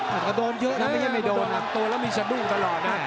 แต่ก็โดนเยอะนะไม่ใช่ไม่โดนลำตัวแล้วมีสะดุ้งตลอดนะ